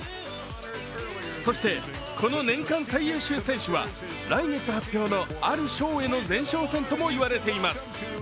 そして、この年間最優秀選手は、来月発表のある賞への前哨戦ともいわれています。